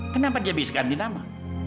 kenapa dia bisa ganti nama